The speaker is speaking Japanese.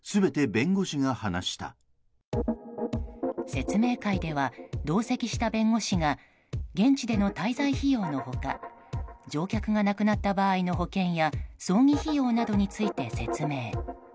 説明会では、同席した弁護士が現地での滞在費用の他乗客が亡くなった場合の保険や葬儀費用などについて説明。